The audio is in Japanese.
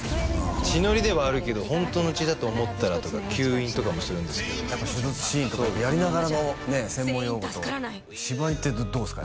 血糊ではあるけどホントの血だと思ったらとか吸引とかもするんですけどやっぱ手術シーンとかもやりながらのね専門用語と芝居ってどうですか？